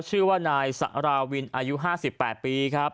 ชื่อว่านายสาราวินอายุ๕๘ปีครับ